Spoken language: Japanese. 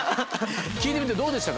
聞いてみてどうでしたか